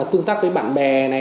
tương tác với bạn bè này